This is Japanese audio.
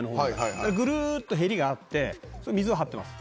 ぐるーっとへりがあって水は張ってます。